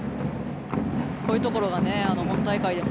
こういうところが本大会でも